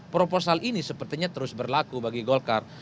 proposal ini sepertinya terus berlaku bagi golkar